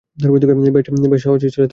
বেশ সাহসী ছেলে তুমি!